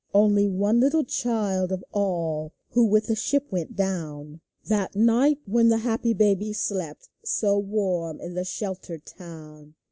Only one little child of all Who with the ship went down 212 " GOD KNOWS That night when the happy babies slept So warm in the sheltered town.